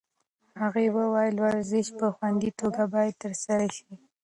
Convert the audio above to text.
هغې وویل ورزش په خوندي توګه باید ترسره شي.